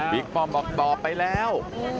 บิ๊กป้อมออกไปแล้ว